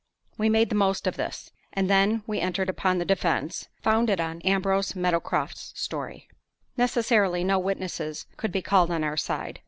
We made the most of this; and then we entered upon the defense, founded on Ambrose Meadowcroft's story. Necessarily, no witnesses could be called on our side.